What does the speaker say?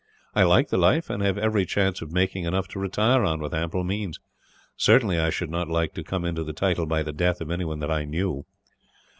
I like the life, and have every chance of making enough to retire on, with ample means. Certainly, I should not like to come into the title by the death of anyone that I knew."